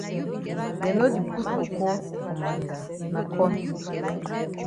Dem no di put coco for mbanda na corn.